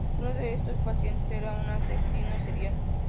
Uno de estos pacientes, era un asesino serial.